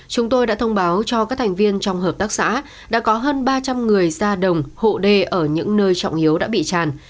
chúng tôi đã thông báo cho các thành viên trong hợp tác xã đã có hơn ba trăm linh người ra đồng hộ đê ở những nơi trọng yếu đã bị tràn